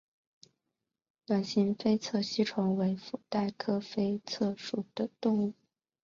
卵形菲策吸虫为腹袋科菲策属的动物。